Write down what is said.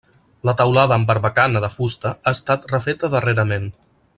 La teulada amb barbacana de fusta ha estat refeta darrerament.